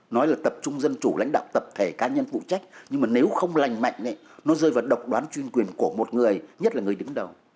nói là tập trung dân chủ lãnh đạo tập thể cá nhân phụ trách nhưng mà nếu không lành mạnh nó rơi vào độc đoán chuyên quyền của một người nhất là người đứng đầu